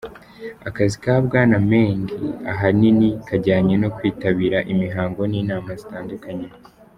Akazi ka Bwana Meng ahanini kajyanye no kwitabira imihango n'inama zitandukanye.